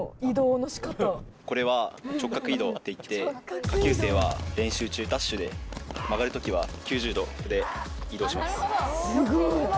これは。っていって下級生は練習中ダッシュで曲がる時は９０度で移動します。